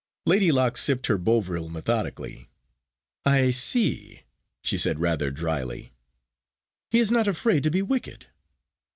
Lady Locke sipped her Bovril methodically. "I see," she said rather drily; "he is not afraid to be wicked."